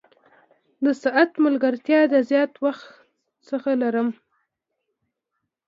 د ساعت ملګرتیا د زیات وخت څخه لرم.